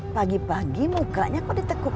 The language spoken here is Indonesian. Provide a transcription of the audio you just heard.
pagi pagi mukanya kok ditekuk